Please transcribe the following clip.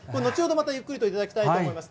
またゆっくりと頂きたいと思います。